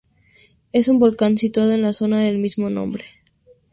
Es un volcán situado en la zona del mismo nombre.